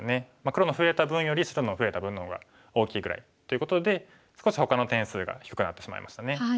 黒の増えた分より白の増えた分の方が大きいぐらい。ということで少しほかの点数が低くなってしまいましたね。